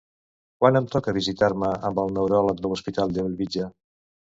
Quan em toca visitar-me amb el neuròleg de l'Hospital de Bellvitge?